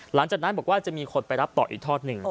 หลังจากนั้นบอกว่าจะมีคนไปรับต่ออีกทอดหนึ่ง